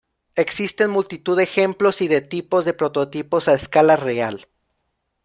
Existen multitud de ejemplos y de tipos de prototipos a escala real.